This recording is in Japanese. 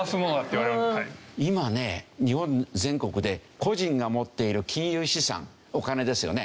今ね日本全国で個人が持っている金融資産お金ですよね。